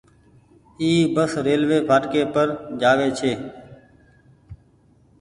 اي بس ريلوي ڦآٽڪي پر جآوي ڇي۔